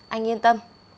anh yên tâm